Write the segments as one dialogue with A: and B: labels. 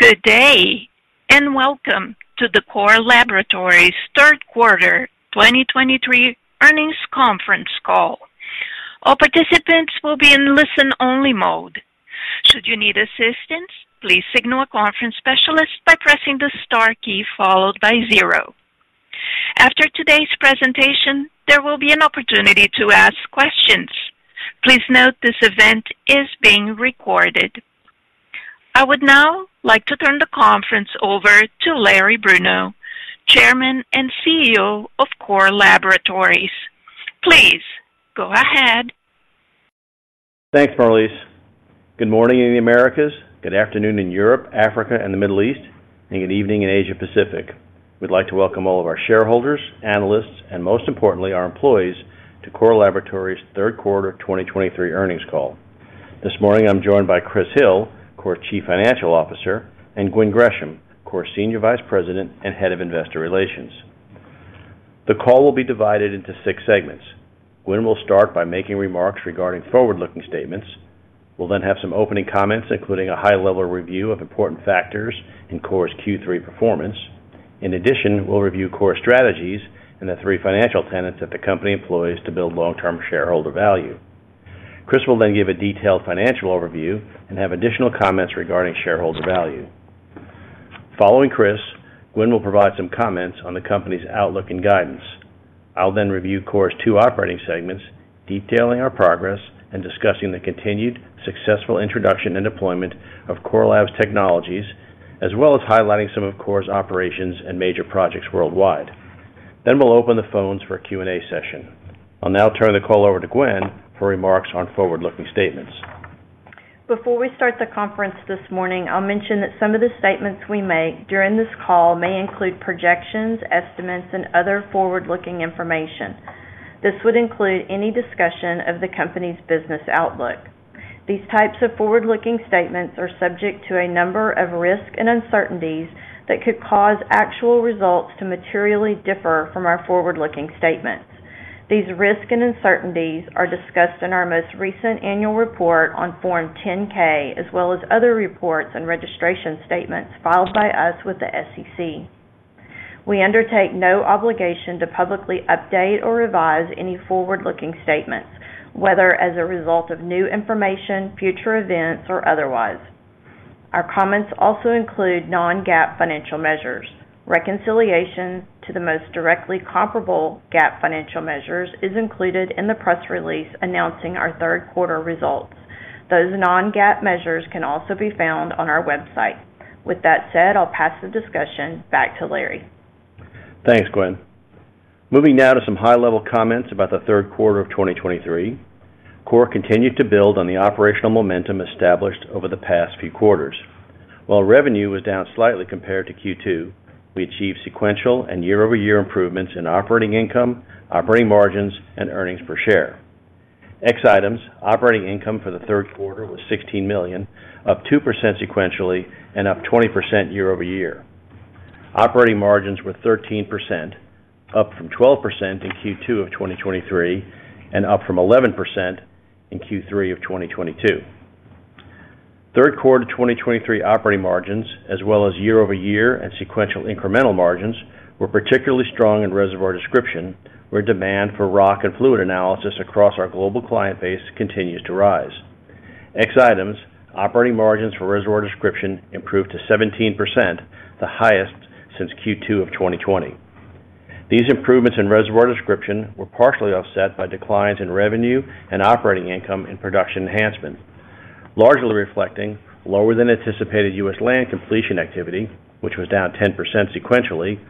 A: Good day, and welcome to the Core Laboratories Q3 2023 earnings conference call. All participants will be in listen-only mode. Should you need assistance, please signal a conference specialist by pressing the star key followed by zero. After today's presentation, there will be an opportunity to ask questions. Please note this event is being recorded. I would now like to turn the conference over to Larry Bruno, Chairman and CEO of Core Laboratories. Please, go ahead.
B: Thanks, Marlise. Good morning in the Americas, good afternoon in Europe, Africa, and the Middle East, and good evening in Asia Pacific. We'd like to welcome all of our shareholders, analysts, and most importantly, our employees, to Core Laboratories' Q3 2023 earnings call. This morning, I'm joined by Chris Hill, Core Chief Financial Officer, and Gwen Gresham, Core Senior Vice President and Head of Investor Relations. The call will be divided into six segments. Gwen will start by making remarks regarding forward-looking statements. We'll then have some opening comments, including a high-level review of important factors in Core's Q3 performance. In addition, we'll review Core's strategies and the three financial tenets that the company employs to build long-term shareholder value. Chris will then give a detailed financial overview and have additional comments regarding shareholder value. Following Chris, Gwen will provide some comments on the company's outlook and guidance. I'll then review Core's two operating segments, detailing our progress and discussing the continued successful introduction and deployment of Core Lab's technologies, as well as highlighting some of Core's operations and major projects worldwide. Then we'll open the phones for a Q&A session. I'll now turn the call over to Gwen for remarks on forward-looking statements.
C: Before we start the conference this morning, I'll mention that some of the statements we make during this call may include projections, estimates, and other forward-looking information. This would include any discussion of the company's business outlook. These types of forward-looking statements are subject to a number of risks and uncertainties that could cause actual results to materially differ from our forward-looking statements. These risks and uncertainties are discussed in our most recent annual report on Form 10-K, as well as other reports and registration statements filed by us with the SEC. We undertake no obligation to publicly update or revise any forward-looking statements, whether as a result of new information, future events, or otherwise. Our comments also include non-GAAP financial measures. Reconciliation to the most directly comparable GAAP financial measures is included in the press release announcing our Q3 results. Those non-GAAP measures can also be found on our website. With that said, I'll pass the discussion back to Larry.
B: Thanks, Gwen. Moving now to some high-level comments about the Q3 of 2023. Core continued to build on the operational momentum established over the past few quarters. While revenue was down slightly compared to Q2, we achieved sequential and year-over-year improvements in operating income, operating margins, and earnings per share. Ex items, operating income for the Q3 was $16 million, up 2% sequentially and up 20% year-over-year. Operating margins were 13%, up from 12% in Q2 of 2023, and up from 11% in Q3 of 2022. Third quarter of 2023 operating margins, as well as year-over-year and sequential incremental margins, were particularly strong in Reservoir Description, where demand for rock and fluid analysis across our global client base continues to rise. Ex items, operating margins for Reservoir Description improved to 17%, the highest since Q2 of 2020. These improvements in Reservoir Description were partially offset by declines in revenue and operating income in Production Enhancement, largely reflecting lower than anticipated U.S. land completion activity, which was down 10% sequentially,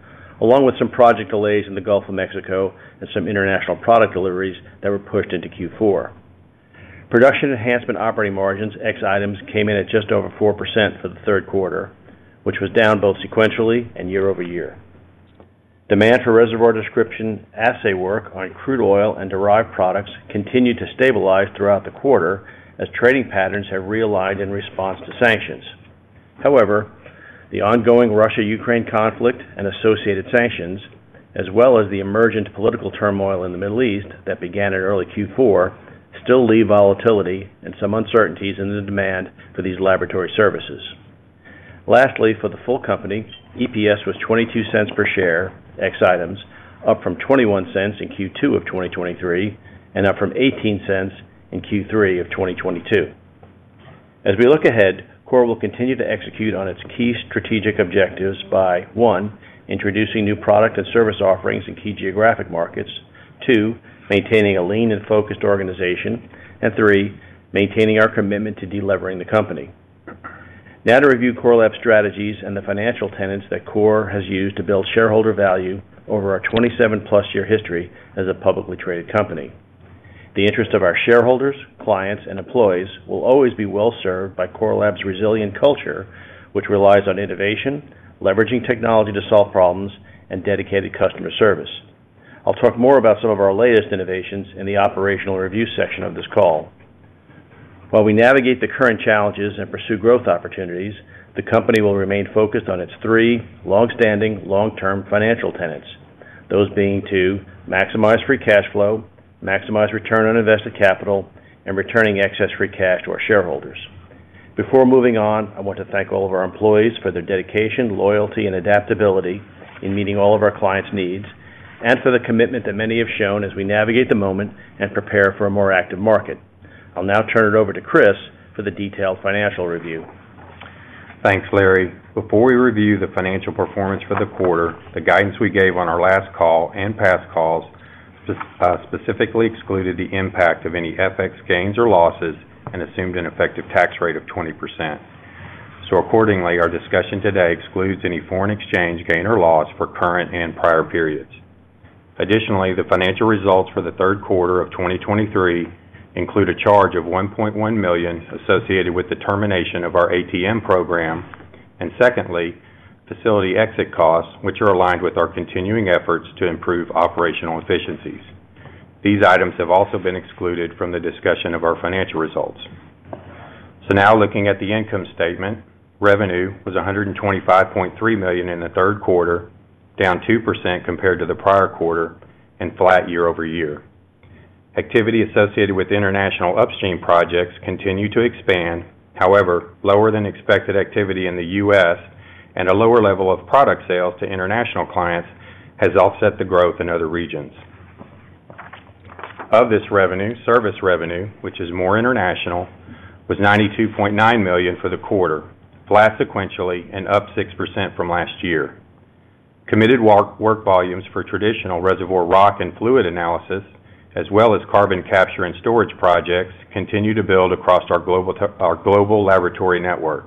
B: along with some project delays in the Gulf of Mexico and some international product deliveries that were pushed into Q4. Production Enhancement operating margins, ex items, came in at just over 4% for the Q3, which was down both sequentially and year-over-year. Demand for Reservoir Description assay work on crude oil and derived products continued to stabilize throughout the quarter as trading patterns have realigned in response to sanctions. However, the ongoing Russia-Ukraine conflict and associated sanctions, as well as the emergent political turmoil in the Middle East that began in early Q4, still leave volatility and some uncertainties in the demand for these laboratory services. Lastly, for the full company, EPS was $0.22 per share, ex items, up from $0.21 in Q2 of 2023, and up from $0.18 in Q3 of 2022. As we look ahead, Core will continue to execute on its key strategic objectives by, one, introducing new product and service offerings in key geographic markets. Two, maintaining a lean and focused organization. And three, maintaining our commitment to delevering the company. Now to review Core Lab strategies and the financial tenets that Core has used to build shareholder value over our 27+ year history as a publicly traded company. The interest of our shareholders, clients, and employees will always be well served by Core Lab's resilient culture, which relies on innovation, leveraging technology to solve problems, and dedicated customer service. I'll talk more about some of our latest innovations in the operational review section of this call. While we navigate the current challenges and pursue growth opportunities, the company will remain focused on its three long-standing, long-term financial tenets... those being to maximize free cash flow, maximize return on invested capital, and returning excess free cash to our shareholders. Before moving on, I want to thank all of our employees for their dedication, loyalty and adaptability in meeting all of our clients' needs, and for the commitment that many have shown as we navigate the moment and prepare for a more active market. I'll now turn it over to Chris for the detailed financial review.
D: Thanks, Larry. Before we review the financial performance for the quarter, the guidance we gave on our last call and past calls, specifically excluded the impact of any FX gains or losses and assumed an effective tax rate of 20%. So accordingly, our discussion today excludes any foreign exchange gain or loss for current and prior periods. Additionally, the financial results for the Q3 of 2023 include a charge of $1.1 million associated with the termination of our ATM program, and secondly, facility exit costs, which are aligned with our continuing efforts to improve operational efficiencies. These items have also been excluded from the discussion of our financial results. So now, looking at the income statement, revenue was $125.3 million in the Q3, down 2% compared to the prior quarter and flat year-over-year. Activity associated with international upstream projects continue to expand. However, lower than expected activity in the U.S. and a lower level of product sales to international clients has offset the growth in other regions. Of this revenue, service revenue, which is more international, was $92.9 million for the quarter, flat sequentially and up 6% from last year. Committed work, work volumes for traditional reservoir rock and fluid analysis, as well as carbon capture and storage projects, continue to build across our global laboratory network.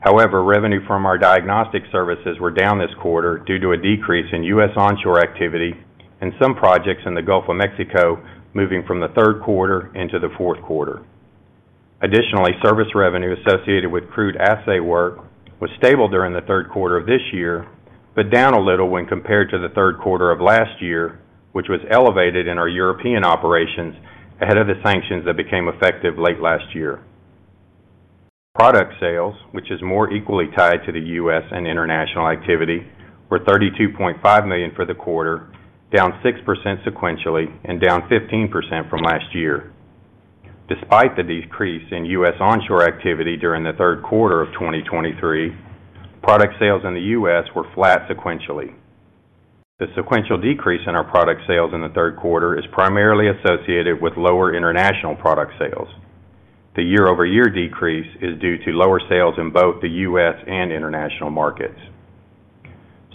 D: However, revenue from our diagnostic services were down this quarter due to a decrease in U.S. onshore activity and some projects in the Gulf of Mexico, moving from the Q3 into the Q4. Additionally, service revenue associated with crude assay work was stable during the Q3 of this year, but down a little when compared to the Q3 of last year, which was elevated in our European operations ahead of the sanctions that became effective late last year. Product sales, which is more equally tied to the U.S. and international activity, were $32.5 million for the quarter, down 6% sequentially and down 15% from last year. Despite the decrease in U.S. onshore activity during the Q3 of 2023, product sales in the U.S. were flat sequentially. The sequential decrease in our product sales in the Q3 is primarily associated with lower international product sales. The year-over-year decrease is due to lower sales in both the U.S. and international markets.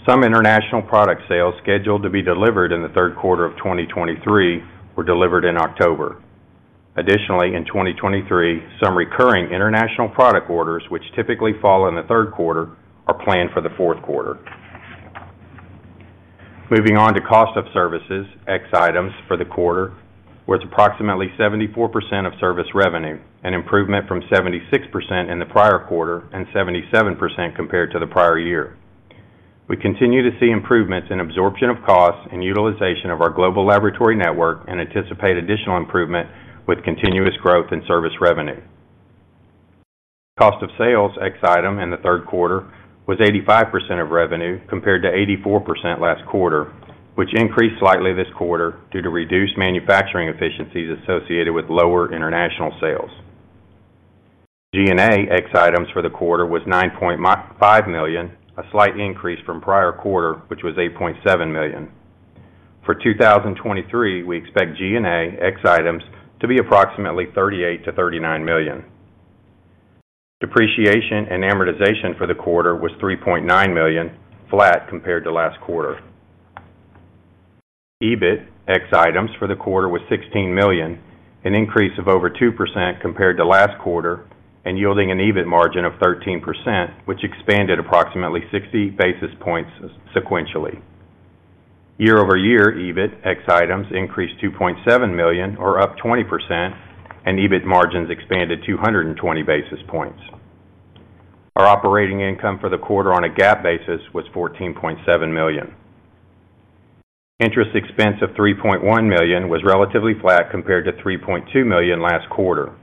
D: Some international product sales scheduled to be delivered in the Q3 of 2023 were delivered in October. Additionally, in 2023, some recurring international product orders, which typically fall in the Q3, are planned for the Q4. Moving on to cost of services, ex items for the quarter, was approximately 74% of service revenue, an improvement from 76% in the prior quarter and 77% compared to the prior year. We continue to see improvements in absorption of costs and utilization of our global laboratory network, and anticipate additional improvement with continuous growth in service revenue. Cost of sales, ex item, in the Q3 was 85% of revenue, compared to 84% last quarter, which increased slightly this quarter due to reduced manufacturing efficiencies associated with lower international sales. G&A ex items for the quarter was $9.5 million, a slight increase from prior quarter, which was $8.7 million. For 2023, we expect G&A ex items to be approximately $38 million-$39 million. Depreciation and amortization for the quarter was $3.9 million, flat compared to last quarter. EBIT ex items for the quarter was $16 million, an increase of over 2% compared to last quarter, and yielding an EBIT margin of 13%, which expanded approximately 60 basis points sequentially. Year-over-year, EBIT ex items increased $2.7 million or up 20%, and EBIT margins expanded 220 basis points. Our operating income for the quarter on a GAAP basis was $14.7 million. Interest expense of $3.1 million was relatively flat compared to $3.2 million last quarter.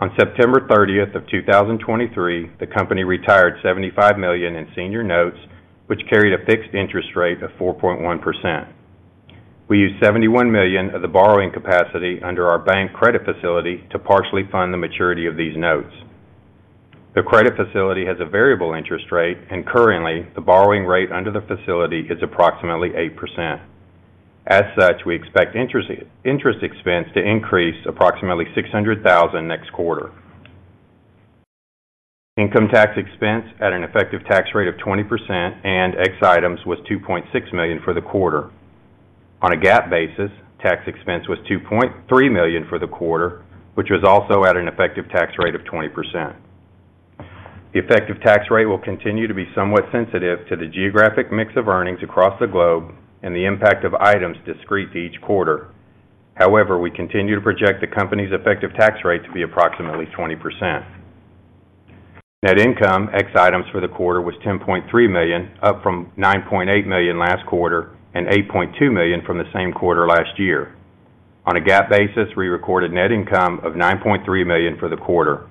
D: On September 30, 2023, the company retired $75 million in senior notes, which carried a fixed interest rate of 4.1%. We used $71 million of the borrowing capacity under our bank credit facility to partially fund the maturity of these notes. The credit facility has a variable interest rate, and currently, the borrowing rate under the facility is approximately 8%. As such, we expect interest, interest expense to increase approximately $600,000 next quarter. Income tax expense at an effective tax rate of 20% and ex items was $2.6 million for the quarter. On a GAAP basis, tax expense was $2.3 million for the quarter, which was also at an effective tax rate of 20%. The effective tax rate will continue to be somewhat sensitive to the geographic mix of earnings across the globe and the impact of items discrete to each quarter. However, we continue to project the company's effective tax rate to be approximately 20%. Net income, ex items for the quarter was $10.3 million, up from $9.8 million last quarter and $8.2 million from the same quarter last year. On a GAAP basis, we recorded net income of $9.3 million for the quarter.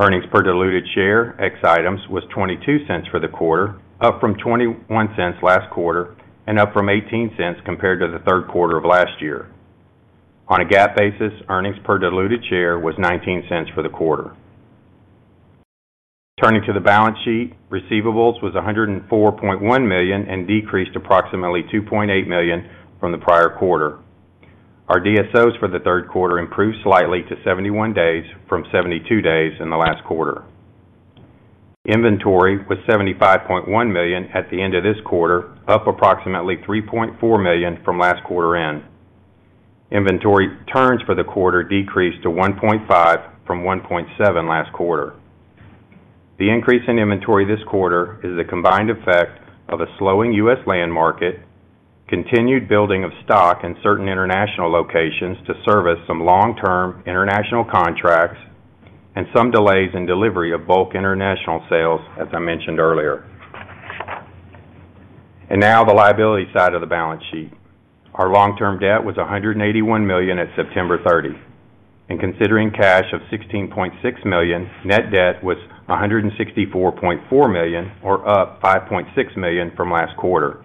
D: Earnings per diluted share, ex items, was $0.22 for the quarter, up from $0.21 last quarter and up from $0.18 compared to the Q3 of last year. On a GAAP basis, earnings per diluted share was $0.19 for the quarter. Turning to the balance sheet, receivables was $104.1 million, and decreased approximately $2.8 million from the prior quarter. Our DSOs for the Q3 improved slightly to 71 days from 72 days in the last quarter. Inventory was $75.1 million at the end of this quarter, up approximately $3.4 million from last quarter end. Inventory turns for the quarter decreased to 1.5 from 1.7 last quarter. The increase in inventory this quarter is the combined effect of a slowing U.S. land market, continued building of stock in certain international locations to service some long-term international contracts, and some delays in delivery of bulk international sales, as I mentioned earlier. And now the liability side of the balance sheet. Our long-term debt was $181 million at September 30, and considering cash of $16.6 million, net debt was $164.4 million, or up $5.6 million from last quarter.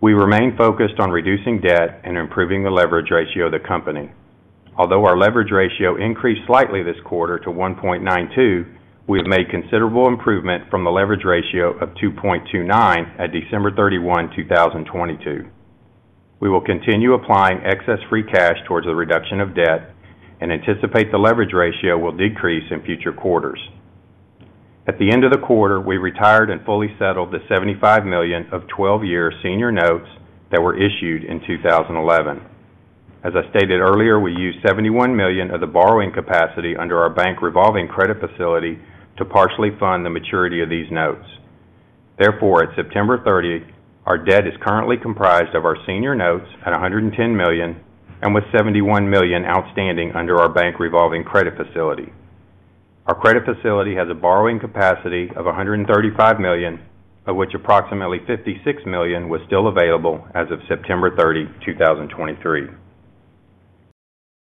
D: We remain focused on reducing debt and improving the leverage ratio of the company. Although our leverage ratio increased slightly this quarter to 1.92, we have made considerable improvement from the leverage ratio of 2.29 at December 31, 2022. We will continue applying excess free cash towards the reduction of debt and anticipate the leverage ratio will decrease in future quarters. At the end of the quarter, we retired and fully settled the $75 million of 12-year senior notes that were issued in 2011. As I stated earlier, we used $71 million of the borrowing capacity under our bank revolving credit facility to partially fund the maturity of these notes. Therefore, at September 30, our debt is currently comprised of our senior notes at $110 million, and with $71 million outstanding under our bank revolving credit facility. Our credit facility has a borrowing capacity of $135 million, of which approximately $56 million was still available as of September 30, 2023.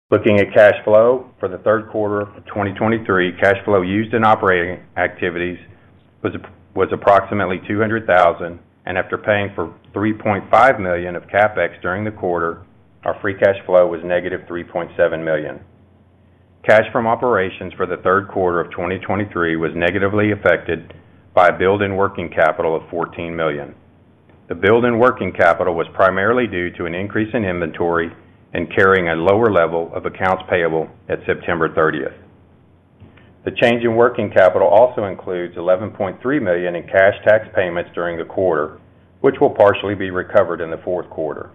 D: Looking at cash flow. For the Q3 of 2023, cash flow used in operating activities was approximately $200,000, and after paying for $3.5 million of CapEx during the quarter, our free cash flow was -$3.7 million. Cash from operations for the Q3 of 2023 was negatively affected by a build in working capital of $14 million. The build in working capital was primarily due to an increase in inventory and carrying a lower level of accounts payable at September 30. The change in working capital also includes $11.3 million in cash tax payments during the quarter, which will partially be recovered in the Q4.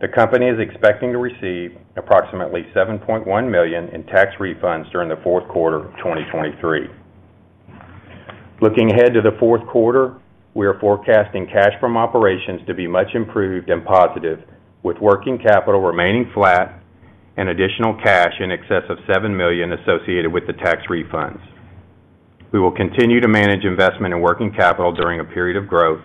D: The company is expecting to receive approximately $7.1 million in tax refunds during the Q4 of 2023. Looking ahead to the Q4, we are forecasting cash from operations to be much improved and positive, with working capital remaining flat and additional cash in excess of $7 million associated with the tax refunds. We will continue to manage investment and working capital during a period of growth,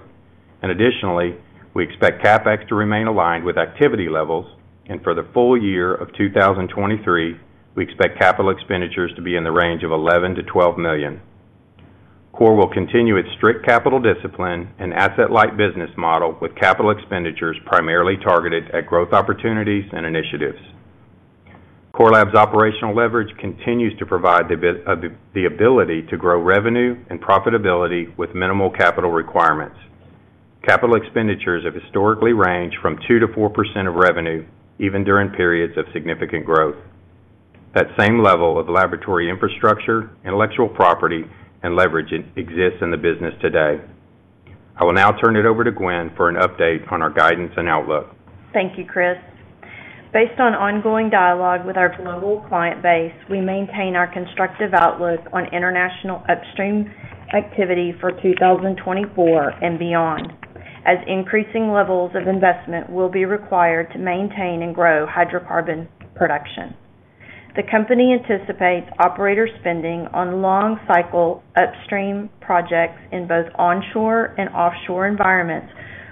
D: and additionally, we expect CapEx to remain aligned with activity levels, and for the full year of 2023, we expect capital expenditures to be in the range of $11 million-$12 million. Core will continue its strict capital discipline and asset-light business model, with capital expenditures primarily targeted at growth opportunities and initiatives. Core Lab's operational leverage continues to provide the ability to grow revenue and profitability with minimal capital requirements. Capital expenditures have historically ranged from 2%-4% of revenue, even during periods of significant growth. That same level of laboratory infrastructure, intellectual property, and leverage exists in the business today. I will now turn it over to Gwen for an update on our guidance and outlook.
C: Thank you, Chris. Based on ongoing dialogue with our global client base, we maintain our constructive outlook on international upstream activity for 2024 and beyond, as increasing levels of investment will be required to maintain and grow hydrocarbon production. The company anticipates operator spending on long-cycle upstream projects in both onshore and offshore environments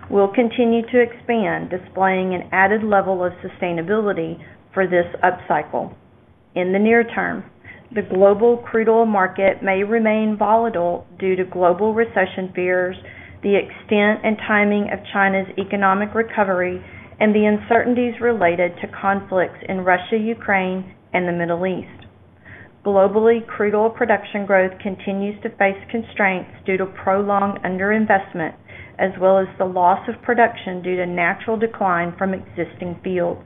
C: will continue to expand, displaying an added level of sustainability for this upcycle. In the near term, the global crude oil market may remain volatile due to global recession fears, the extent and timing of China's economic recovery, and the uncertainties related to conflicts in Russia, Ukraine, and the Middle East. Globally, crude oil production growth continues to face constraints due to prolonged underinvestment, as well as the loss of production due to natural decline from existing fields.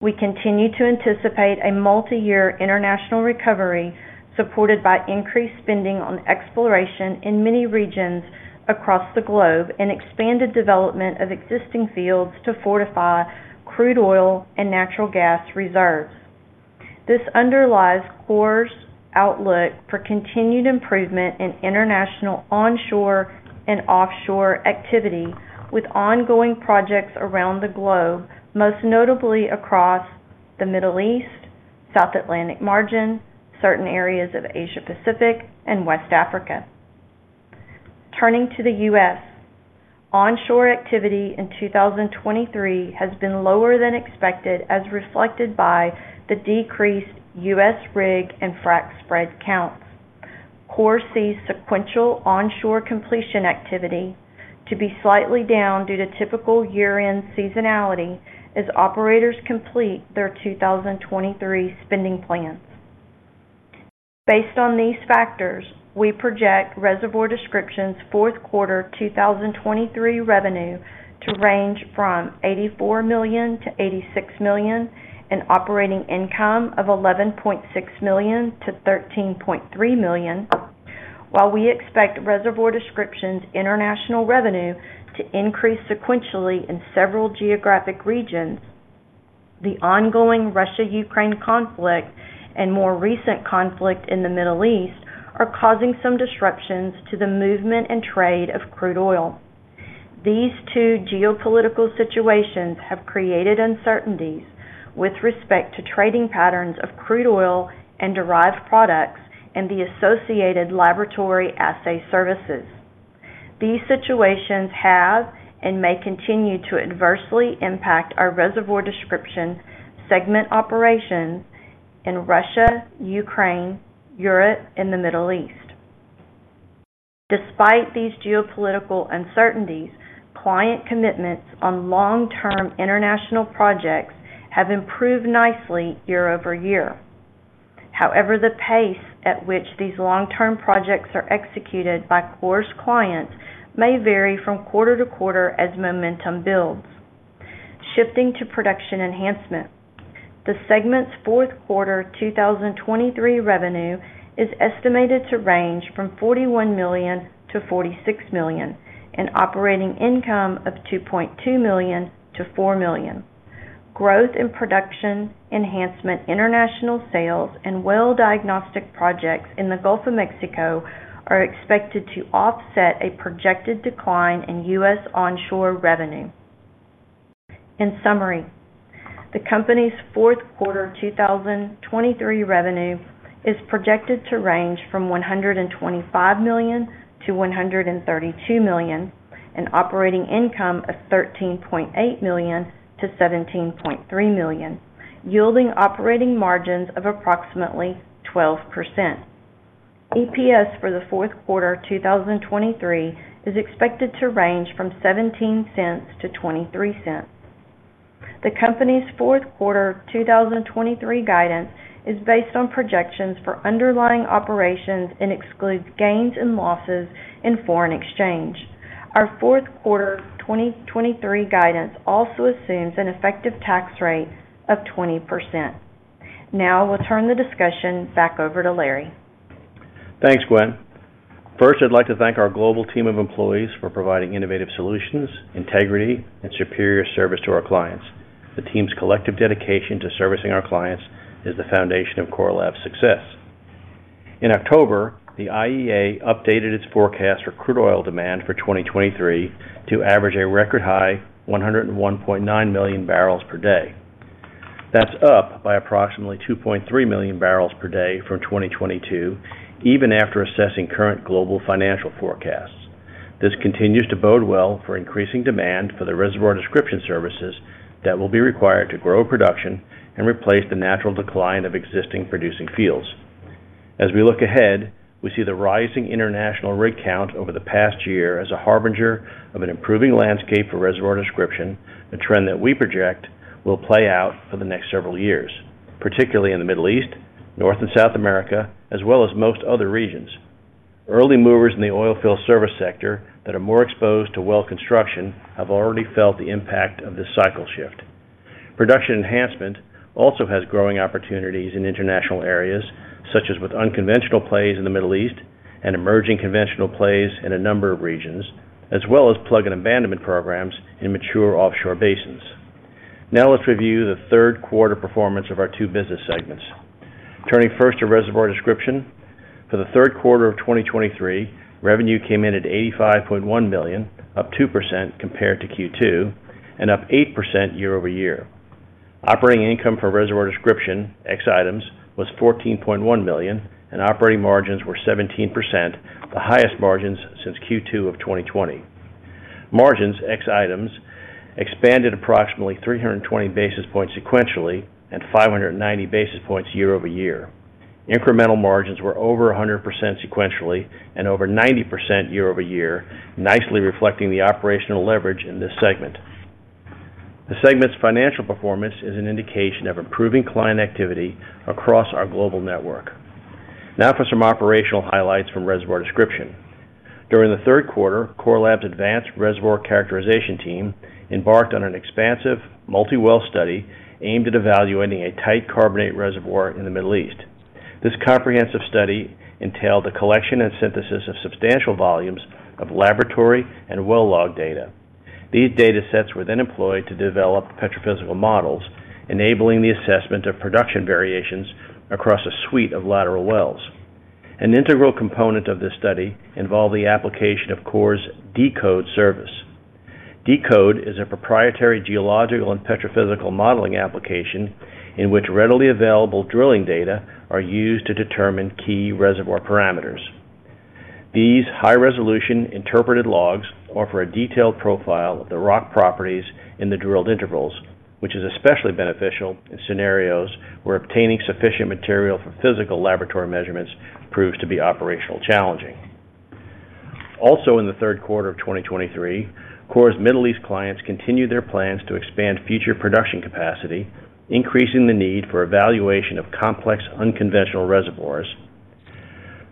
C: We continue to anticipate a multi-year international recovery, supported by increased spending on exploration in many regions across the globe, and expanded development of existing fields to fortify crude oil and natural gas reserves. This underlies Core's outlook for continued improvement in international onshore and offshore activity, with ongoing projects around the globe, most notably across the Middle East, South Atlantic margin, certain areas of Asia-Pacific, and West Africa. Turning to the U.S., onshore activity in 2023 has been lower than expected, as reflected by the decreased U.S. rig and frac spread counts. Core sees sequential onshore completion activity to be slightly down due to typical year-end seasonality as operators complete their 2023 spending plans. Based on these factors, we project Reservoir Description's Q4 2023 revenue to range from $84 million-$86 million, and operating income of $11.6 million-$13.3 million. While we expect Reservoir Description's international revenue to increase sequentially in several geographic regions, the ongoing Russia-Ukraine conflict and more recent conflict in the Middle East are causing some disruptions to the movement and trade of crude oil. These two geopolitical situations have created uncertainties with respect to trading patterns of crude oil and derived products and the associated laboratory assay services. These situations have and may continue to adversely impact our Reservoir Description segment operations in Russia, Ukraine, Europe, and the Middle East. Despite these geopolitical uncertainties, client commitments on long-term international projects have improved nicely year-over-year. However, the pace at which these long-term projects are executed by Core's clients may vary from quarter to quarter as momentum builds. Shifting to Production Enhancement. The segment's Q4 2023 revenue is estimated to range from $41 million-$46 million, and operating income of $2.2 million-$4 million. Growth in Production Enhancement, international sales, and well diagnostic projects in the Gulf of Mexico are expected to offset a projected decline in U.S. onshore revenue. In summary, the company's Q4 2023 revenue is projected to range from $125 million-$132 million, and operating income of $13.8 million-$17.3 million, yielding operating margins of approximately 12%. EPS for the Q4 2023 is expected to range from $0.17-$0.23. The company's Q4 2023 guidance is based on projections for underlying operations and excludes gains and losses in foreign exchange. Our Q4 2023 guidance also assumes an effective tax rate of 20%. Now I will turn the discussion back over to Larry.
B: Thanks, Gwen. First, I'd like to thank our global team of employees for providing innovative solutions, integrity, and superior service to our clients. The team's collective dedication to servicing our clients is the foundation of Core Lab's success. In October, the IEA updated its forecast for crude oil demand for 2023 to average a record high 101.9 million barrels per day. That's up by approximately 2.3 million barrels per day from 2022, even after assessing current global financial forecasts. This continues to bode well for increasing demand for the Reservoir Description services that will be required to grow production and replace the natural decline of existing producing fields. As we look ahead, we see the rising international rig count over the past year as a harbinger of an improving landscape for Reservoir Description, a trend that we project will play out for the next several years, particularly in the Middle East, North and South America, as well as most other regions. Early movers in the oil field service sector that are more exposed to well construction have already felt the impact of this cycle shift. Production enhancement also has growing opportunities in international areas, such as with unconventional plays in the Middle East and emerging conventional plays in a number of regions, as well as plug and abandonment programs in mature offshore basins. Now, let's review the Q3 performance of our two business segments. Turning first to Reservoir Description. For the Q3 of 2023, revenue came in at $85.1 million, up 2% compared to Q2 and up 8% year-over-year. Operating income for Reservoir Description, ex items, was $14.1 million, and operating margins were 17%, the highest margins since Q2 of 2020. Margins, ex items, expanded approximately 320 basis points sequentially and 590 basis points year-over-year. Incremental margins were over 100% sequentially and over 90% year-over-year, nicely reflecting the operational leverage in this segment. The segment's financial performance is an indication of improving client activity across our global network. Now for some operational highlights from Reservoir Description. During the Q3, Core Lab's advanced reservoir characterization team embarked on an expansive multi-well study aimed at evaluating a tight carbonate reservoir in the Middle East. This comprehensive study entailed the collection and synthesis of substantial volumes of laboratory and well log data. These datasets were then employed to develop petrophysical models, enabling the assessment of production variations across a suite of lateral wells. An integral component of this study involved the application of Core's Decode service… Decode is a proprietary geological and petrophysical modeling application in which readily available drilling data are used to determine key reservoir parameters. These high-resolution interpreted logs offer a detailed profile of the rock properties in the drilled intervals, which is especially beneficial in scenarios where obtaining sufficient material for physical laboratory measurements proves to be operationally challenging. Also, in the Q3 of 2023, Core's Middle East clients continued their plans to expand future production capacity, increasing the need for evaluation of complex unconventional reservoirs.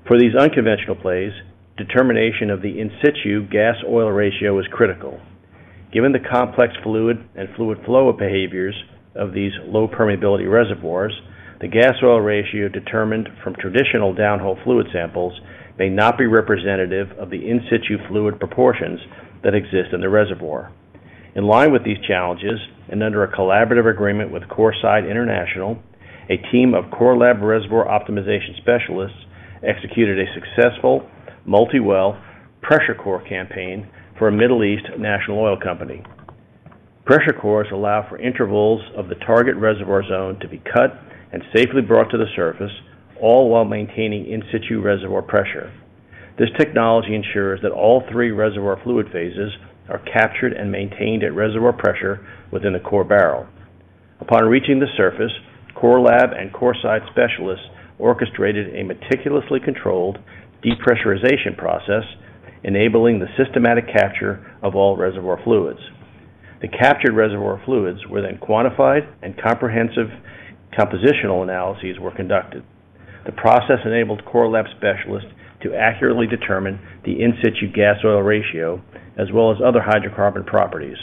B: For these unconventional plays, determination of the in-situ gas-oil ratio is critical. Given the complex fluid and fluid flow behaviors of these low permeability reservoirs, the gas-oil ratio determined from traditional downhole fluid samples may not be representative of the in-situ fluid proportions that exist in the reservoir. In line with these challenges, and under a collaborative agreement with Ocsid International, a team of Core Lab reservoir optimization specialists executed a successful multi-well pressure core campaign for a Middle East national oil company. Pressure cores allow for intervals of the target reservoir zone to be cut and safely brought to the surface, all while maintaining in-situ reservoir pressure. This technology ensures that all three reservoir fluid phases are captured and maintained at reservoir pressure within a core barrel. Upon reaching the surface, Core Lab and Corside specialists orchestrated a meticulously controlled depressurization process, enabling the systematic capture of all reservoir fluids. The captured reservoir fluids were then quantified, and comprehensive compositional analyses were conducted. The process enabled Core Lab specialists to accurately determine the in-situ gas-oil ratio, as well as other hydrocarbon properties.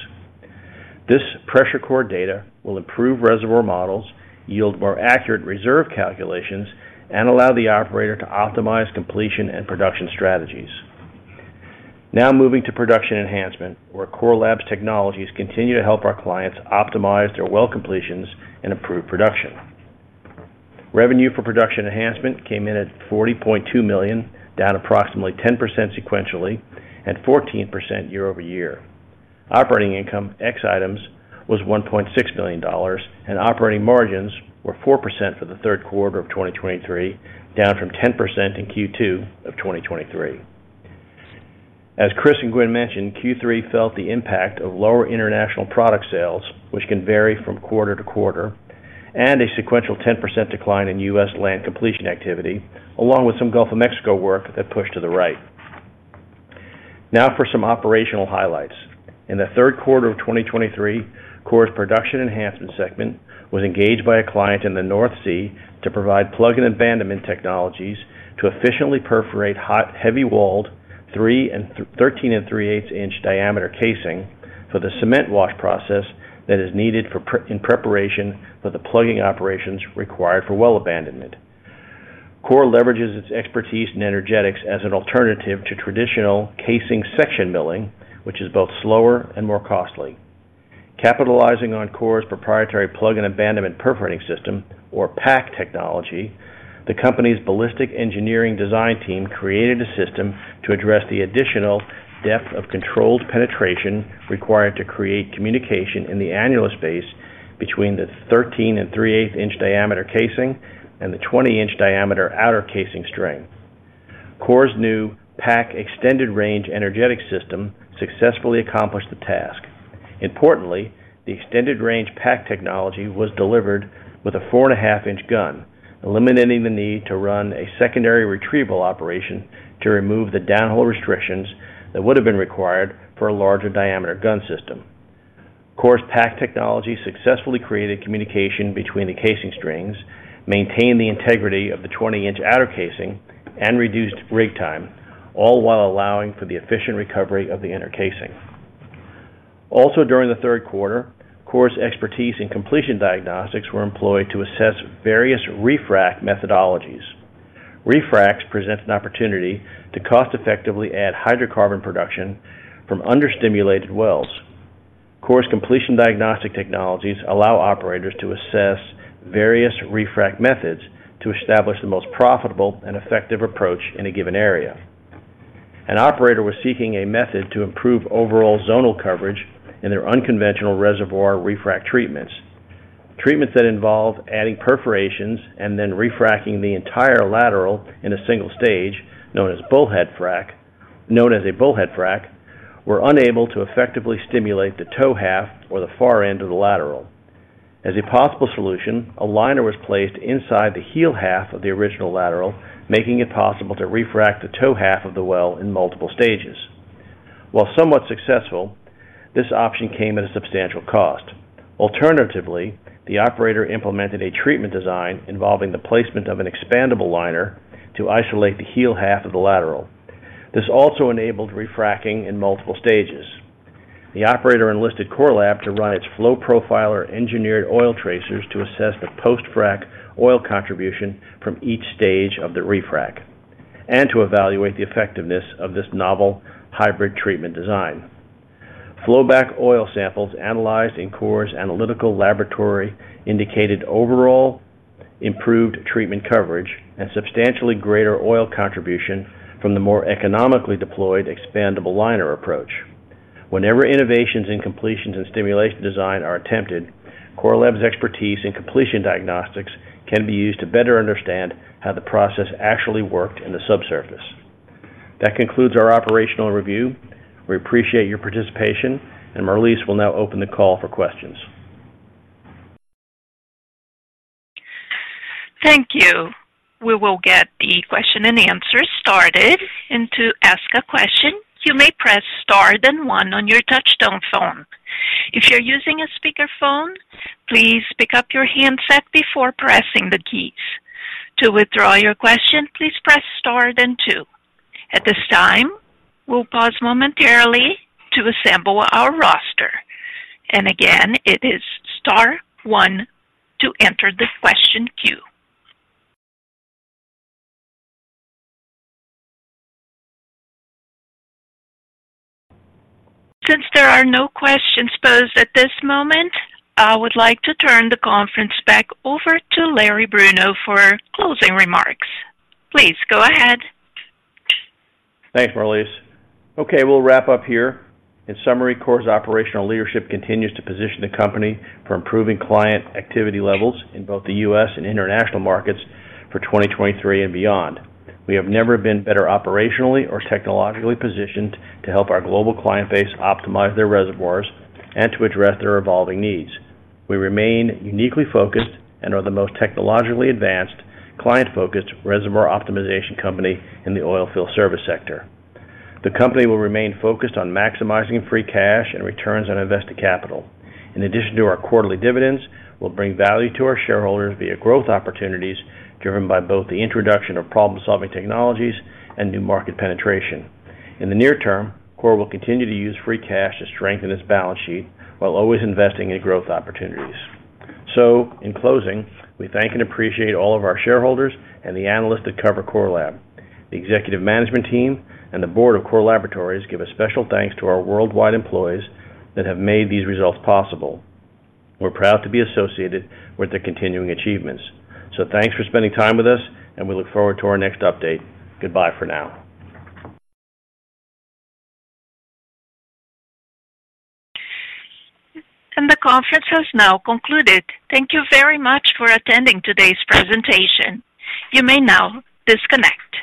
B: This pressure core data will improve reservoir models, yield more accurate reserve calculations, and allow the operator to optimize completion and production strategies. Now moving to production enhancement, where Core Lab's technologies continue to help our clients optimize their well completions and improve production. Revenue for production enhancement came in at $40.2 million, down approximately 10% sequentially and 14% year-over-year. Operating income, ex items, was $1.6 million, and operating margins were 4% for the Q3 of 2023, down from 10% in Q2 of 2023. As Chris and Gwen mentioned, Q3 felt the impact of lower international product sales, which can vary from quarter to quarter, and a sequential 10% decline in U.S. land completion activity, along with some Gulf of Mexico work that pushed to the right. Now for some operational highlights. In the Q3 of 2023, Core's production enhancement segment was engaged by a client in the North Sea to provide plug and abandonment technologies to efficiently perforate hot, heavy-walled 13 3/8-inch diameter casing for the cement wash process that is needed in preparation for the plugging operations required for well abandonment. Core leverages its expertise in energetics as an alternative to traditional casing section milling, which is both slower and more costly. Capitalizing on Core's proprietary plug and abandonment perforating system, or PAC technology, the company's ballistic engineering design team created a system to address the additional depth of controlled penetration required to create communication in the annular space between the 13 3/8-inch diameter casing and the 20-inch diameter outer casing string. Core's new PAC extended range energetic system successfully accomplished the task. Importantly, the extended range PAC technology was delivered with a 4.5-inch gun, eliminating the need to run a secondary retrieval operation to remove the downhole restrictions that would have been required for a larger diameter gun system. Core's PAC technology successfully created communication between the casing strings, maintained the integrity of the 20-inch outer casing, and reduced rig time, all while allowing for the efficient recovery of the inner casing. Also, during the Q3, Core's expertise in completion diagnostics were employed to assess various refrac methodologies. Refrac presents an opportunity to cost effectively add hydrocarbon production from understimulated wells. Core's completion diagnostic technologies allow operators to assess various refrac methods to establish the most profitable and effective approach in a given area. An operator was seeking a method to improve overall zonal coverage in their unconventional reservoir refrac treatments. Treatments that involve adding perforations and then refracking the entire lateral in a single stage, known as a bullhead frac, were unable to effectively stimulate the toe half or the far end of the lateral. As a possible solution, a liner was placed inside the heel half of the original lateral, making it possible to refrac the toe half of the well in multiple stages. While somewhat successful, this option came at a substantial cost. Alternatively, the operator implemented a treatment design involving the placement of an expandable liner to isolate the heel half of the lateral. This also enabled refracking in multiple stages. The operator enlisted Core Lab to run its FlowProfiler engineered oil tracers to assess the post-frac oil contribution from each stage of the refrac, and to evaluate the effectiveness of this novel hybrid treatment design. Flow back oil samples analyzed in Core's analytical laboratory indicated overall improved treatment coverage, and substantially greater oil contribution from the more economically deployed expandable liner approach. Whenever innovations in completions and stimulation design are attempted, Core Lab's expertise in completion diagnostics can be used to better understand how the process actually worked in the subsurface. That concludes our operational review. We appreciate your participation, and Marlyse will now open the call for questions.
A: Thank you. We will get the question and answer started. To ask a question, you may press star, then one on your touch-tone phone. If you're using a speakerphone, please pick up your handset before pressing the keys. To withdraw your question, please press star, then two. At this time, we'll pause momentarily to assemble our roster. Again, it is star, then one to enter the question queue. Since there are no questions posed at this moment, I would like to turn the conference back over to Larry Bruno for closing remarks. Please go ahead.
B: Thanks, Marlyse. Okay, we'll wrap up here. In summary, Core's operational leadership continues to position the company for improving client activity levels in both the U.S. and international markets for 2023 and beyond. We have never been better operationally or technologically positioned to help our global client base optimize their reservoirs and to address their evolving needs. We remain uniquely focused and are the most technologically advanced, client-focused reservoir optimization company in the oilfield service sector. The company will remain focused on maximizing free cash and returns on invested capital. In addition to our quarterly dividends, we'll bring value to our shareholders via growth opportunities, driven by both the introduction of problem-solving technologies and new market penetration. In the near term, Core will continue to use free cash to strengthen its balance sheet while always investing in growth opportunities. So in closing, we thank and appreciate all of our shareholders and the analysts that cover Core Lab. The executive management team and the board of Core Laboratories give a special thanks to our worldwide employees that have made these results possible. We're proud to be associated with their continuing achievements. So thanks for spending time with us, and we look forward to our next update. Goodbye for now.
A: The conference has now concluded. Thank you very much for attending today's presentation. You may now disconnect.